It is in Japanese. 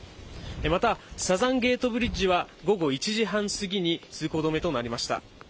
また、サザンゲートブリッジは午後１時半すぎに通行止めとなりました。